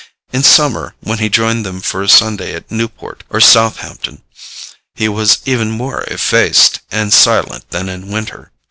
In summer, when he joined them for a Sunday at Newport or Southampton, he was even more effaced and silent than in winter.